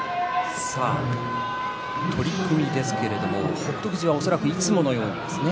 取組ですけれども北勝富士はいつものように。